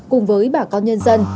cùng với bà con nhân dân